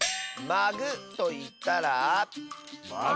「まぐ」といったら？